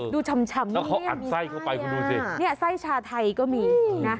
ดูชำนะแล้วเขาอัดไส้เข้าไปคุณดูสิเนี่ยไส้ชาไทยก็มีนะ